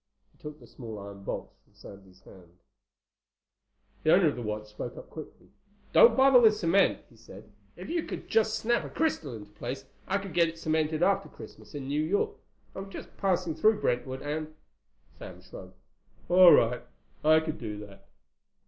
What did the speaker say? He took the small iron box from Sandy's hands. The owner of the watch spoke up quickly. "Don't bother with cement," he said. "If you could just snap a crystal into place, I could get it cemented after Christmas, in New York. I'm just passing through Brentwood and—" Sam shrugged. "All right. I could do that.